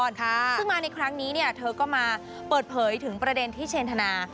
ซึ่งมาในครั้งนี้เนี่ยเธอก็มาเปิดเผยถึงประเด็นที่เชนธนา